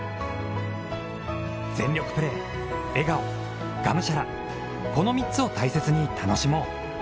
全力プレー、笑顔、がむしゃらこの３つを大切に楽しもう。